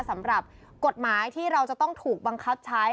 สำหรับกฎหมายที่เราจะต้องถูกบังคับใช้